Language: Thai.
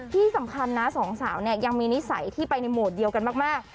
ที่สำคัญนะสองสาวเนี่ยยังมีนิสัยที่ไปในโหมดเดียวกันมาก